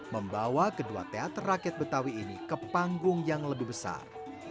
membawa kedua teater rakyat betawi ini ke panggung yang lebih besar